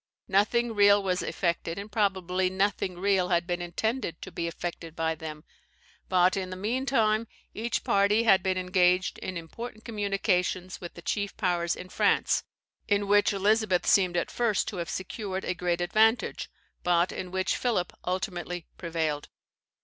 Nothing real was effected, and probably nothing real had been intended to be effected by them. But, in the meantime, each party had been engaged in important communications with the chief powers in France, in which Elizabeth seemed at first to have secured a great advantage, but in which Philip ultimately prevailed.